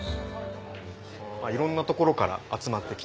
いろんな所から集まってきて。